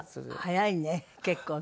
早いね結構ね。